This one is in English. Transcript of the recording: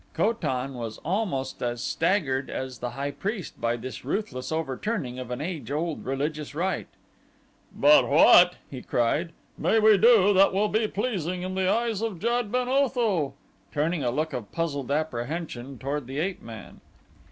Ko tan was almost as staggered as the high priest by this ruthless overturning of an age old religious rite. "But what," he cried, "may we do that will be pleasing in the eyes of Jad ben Otho?" turning a look of puzzled apprehension toward the ape man.